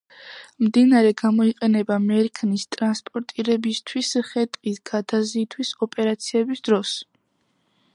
მდინარე გამოიყენება მერქნის ტრანსპორტირებისთვის ხე-ტყის გადაზიდვის ოპერაციების დროს.